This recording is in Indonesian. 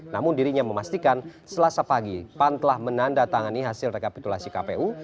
namun dirinya memastikan selasa pagi pan telah menandatangani hasil rekapitulasi kpu